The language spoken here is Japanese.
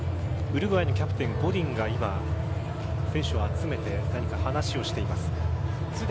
ウルグアイのキャプテンゴディンが今選手を集めて何か話をしています。